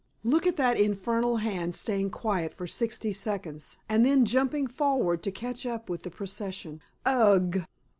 Look at that infernal hand staying quiet for sixty seconds and then jumping forward to catch up with the procession. Ugh!"